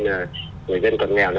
người dân còn nghèo